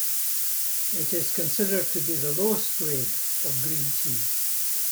It is considered to be the lowest grade of green tea.